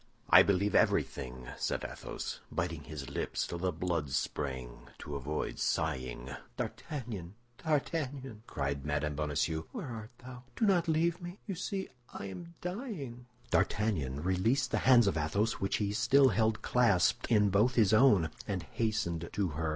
"I believe everything," said Athos, biting his lips till the blood sprang to avoid sighing. "D'Artagnan, D'Artagnan!" cried Mme. Bonacieux, "where art thou? Do not leave me! You see I am dying!" D'Artagnan released the hands of Athos which he still held clasped in both his own, and hastened to her.